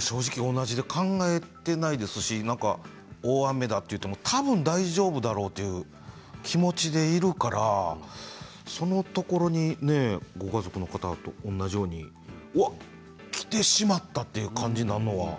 正直考えていないし大雨だと言ってもたぶん大丈夫だろうという気持ちでいるからそのところにご家族の方と同じようにきてしまったという感じだと思う。